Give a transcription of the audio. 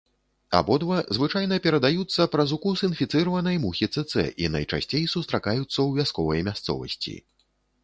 Абодва звычайна перадаюцца праз укус інфіцыраванай мухі цэцэ і найчасцей сустракаюцца ў вясковай мясцовасці.